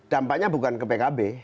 dampaknya bukan ke pkb